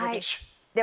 で